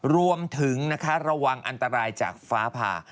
รวมถึงระวังอันตรายจากฟ้าผ่า